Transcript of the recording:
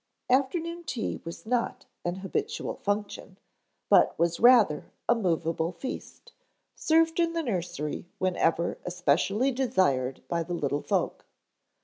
Afternoon tea was not an habitual function, but was rather a movable feast, served in the nursery whenever especially desired by the little folk.